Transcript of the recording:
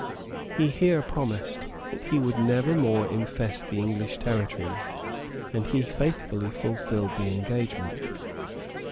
He here promised that he would never more infest the English territories; and he faithfully fulfilled the engagement.